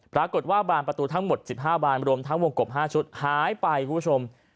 ปรากฏว่าบานประตูทั้งหมด๑๕บานรวมทั้งวงกบ๕ชุดหายไปคุณผู้ชม